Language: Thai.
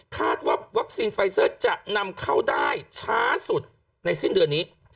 คาดว่าวัคซีนไฟเซอร์จะนำเข้าได้ช้าสุดในสิ้นเดือนนี้